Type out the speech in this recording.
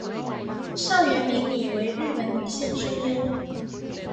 上原明里为日本女性声优。